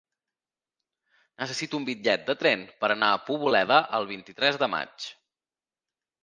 Necessito un bitllet de tren per anar a Poboleda el vint-i-tres de maig.